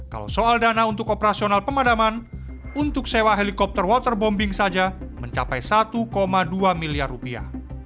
kalau soal dana untuk operasional pemadaman untuk sewa helikopter waterbombing saja mencapai satu dua miliar rupiah